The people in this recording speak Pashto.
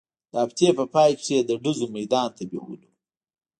د هفتې په پاى کښې يې د ډزو ميدان ته بېولو.